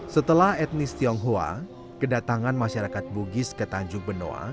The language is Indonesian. setelah etnis tionghoa kedatangan masyarakat bugis ke tanjung benoa